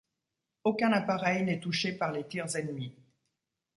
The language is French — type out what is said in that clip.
Aucun appareil n'est touché par les tirs ennemis.